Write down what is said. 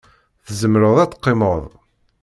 Tzemreḍ ad teqqimeḍ.